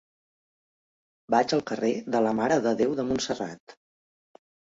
Vaig al carrer de la Mare de Déu de Montserrat.